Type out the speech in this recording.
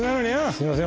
すみません。